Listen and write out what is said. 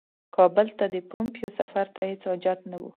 کابل ته د پومپیو سفر ته هیڅ حاجت نه وو.